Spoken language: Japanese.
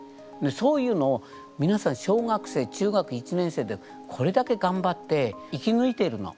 そういうのをみなさん小学生中学１年生でこれだけがんばって生きぬいているの。